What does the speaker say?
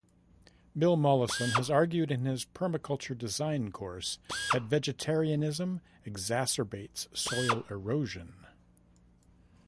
Bill Mollison has argued in his Permaculture Design Course that vegetarianism exacerbates soil erosion.